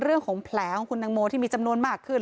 เรื่องของแผลของคุณตังโมที่มีจำนวนมากขึ้น